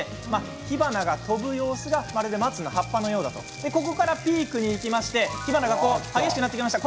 火花が飛ぶ様子がまるで松の葉っぱのようだとここからピークにいきまして火花が激しくなってきました。